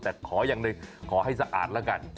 แต่ขออย่างหนึ่งขอให้สะอาดแล้วกัน